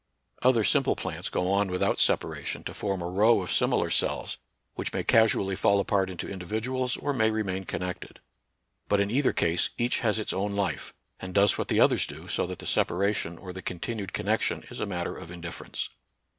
Other simple plants go on without sep aration to form a row of similar cells, which may casually fall apart into individuals or may remain connected ; but in either case each has its own life, and does what the others do, so that the separation or the continued connection is a matter of indifference.